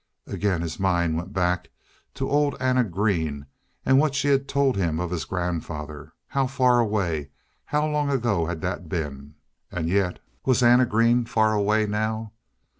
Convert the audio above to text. Again his mind went back to old Anna Green and what she had told him of his grandfather. How far away how long ago that had been.... And yet, was Anna Green far away now?